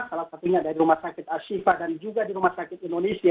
salah satunya dari rumah sakit ashifa dan juga di rumah sakit indonesia